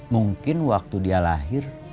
mungkin waktu dia lahir